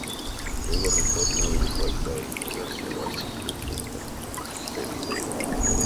Luego retorna a Uruguay para integrarse a Racing Club de Montevideo.